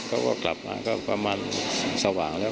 เขาก็กลับมาก็ประมาณสว่างแล้ว